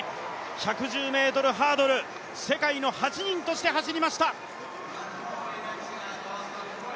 １１０ｍハードル、世界の８人として走りました。